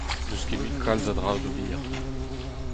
N'eus mui kalz a dra d'ober.